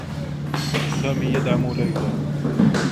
سامي يدعم ليلى.